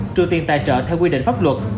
trừ tiền tài trợ theo quy định pháp luật